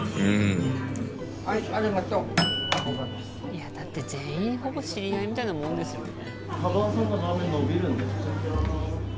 いやだって全員ほぼ知り合いみたいなもんですよね。